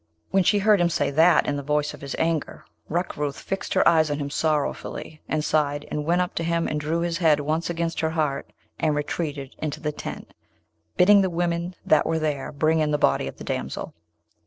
When she heard him say that in the voice of his anger, Rukrooth fixed her eyes on him sorrowfully, and sighed, and went up to him and drew his head once against her heart, and retreated into the tent, bidding the women that were there bring in the body of the damsel.